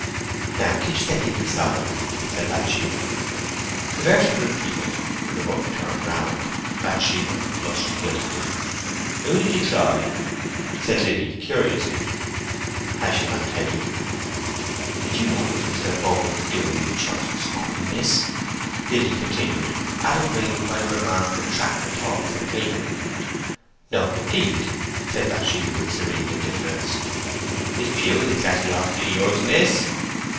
"Now keep steady, and be silent," said Bathsheba. The verse was repeated; the book turned round; Bathsheba blushed guiltily. "Who did you try?" said Liddy curiously. "I shall not tell you." "Did you notice Mr. Boldwood's doings in church this morning, miss?" Liddy continued, adumbrating by the remark the track her thoughts had taken. "No, indeed," said Bathsheba, with serene indifference. "His pew is exactly opposite yours, miss."